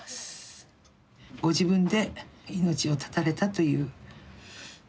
ご自分で命を絶たれたという。